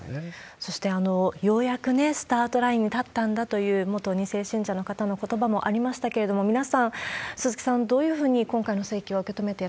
そして、ようやくね、スタートラインに立ったんだという、元２世信者の方のことばもありましたけれども、皆さん、鈴木さん、どういうふうに今回の請求は受け